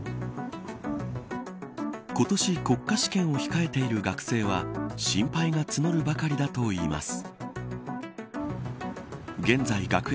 今年、国家試験を控えている学生は心配が募るばかりだといいます。